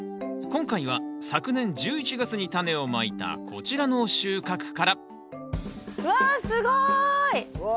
今回は昨年１１月にタネをまいたこちらの収穫からわすごい！わ